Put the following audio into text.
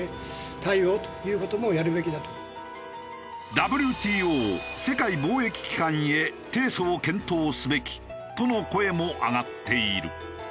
「ＷＴＯ世界貿易機関へ提訴を検討すべき」との声も上がっている。